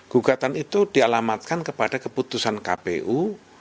gugatan itu dialamatkan kepada keputusan kpu